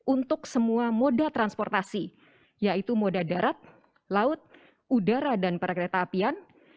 untuk semua moda transportasi yaitu moda darat laut udara dan perkereta apian